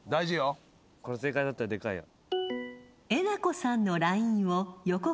これ正解だったらでかいよ。